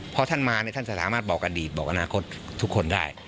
พอท่านมาท่านจะสามารถบอกอดีตบอกอนาคตทุกคนได้